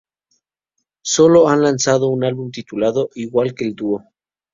Solo han lanzado un álbum, titulado igual que el dúo.